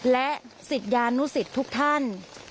และสิจญานุสิทธิ์ทุกท่าน